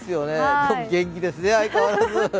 元気でね、相変わらず。